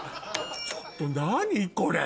ちょっと何これ。